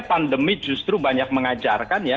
pandemi justru banyak mengajarkan ya